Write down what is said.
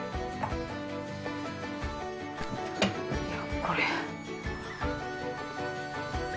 いやこれ。